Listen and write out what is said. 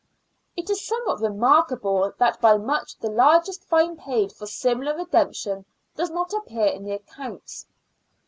It is somewhat remarkable that by much the largest fine paid for similar redemption does not appear in the accounts.